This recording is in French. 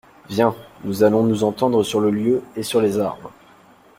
Viens, nous allons nous entendre sur le lieu et sur les armes.